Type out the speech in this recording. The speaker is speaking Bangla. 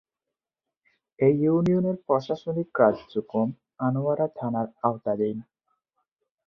এ ইউনিয়নের প্রশাসনিক কার্যক্রম আনোয়ারা থানার আওতাধীন।